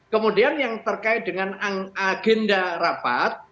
kemudian yang terkait dengan agenda rapat